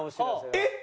えっ！